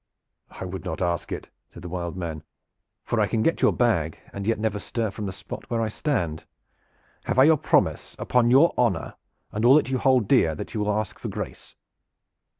"I would not ask it," said the "Wild Man," "for I can get your bag and yet never stir from the spot where I stand. Have I your promise upon your honor and all that you hold dear that you will ask for grace?"